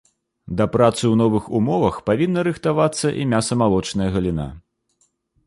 Да працы ў новых умовах павінна рыхтавацца і мяса-малочная галіна.